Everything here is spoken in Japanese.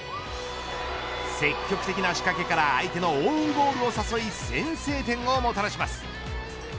積極的な仕掛けから相手のオウンゴールを誘い先制点をもたらします。